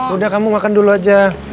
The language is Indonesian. udah kamu makan dulu aja